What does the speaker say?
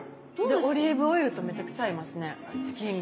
オリーブオイルとめちゃくちゃ合いますねチキンが。